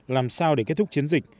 làm sao để kết thúc chiến dịch